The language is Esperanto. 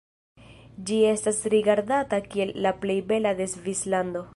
Ĝi estas rigardata kiel la plej bela de Svislando.